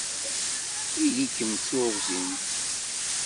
Ili-kem d tuṛẓint!